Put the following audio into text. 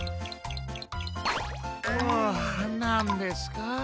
ふあなんですか？